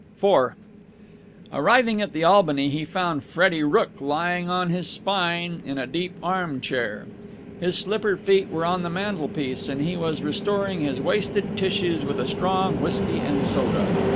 IV Arriving at the Albany, he found Freddie Rooke lying on his spine in a deep arm chair. His slippered feet were on the mantelpiece, and he was restoring his wasted tissues with a strong whisky and soda.